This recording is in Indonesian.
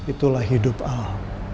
itulah hidup al